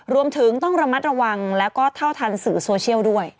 รวมถึงต้องระมัดระวังแล้วก็เท่าทันสื่อโซเชียลด้วย